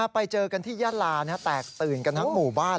ไปเจอกันที่ยาลาแตกตื่นกันทั้งหมู่บ้าน